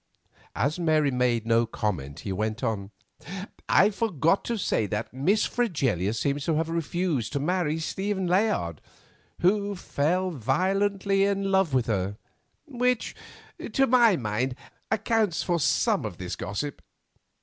As Mary made no comment he went on: "I forgot to say that Miss Fregelius seems to have refused to marry Stephen Layard, who fell violently in love with her, which, to my mind, accounts for some of this gossip.